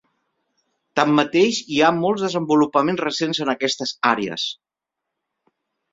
Tanmateix, hi ha molts desenvolupaments recents en aquestes àrees.